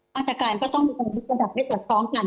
มาตรการก็ต้องมีความพิจารณาผลกระดับได้ส่วนพร้อมกัน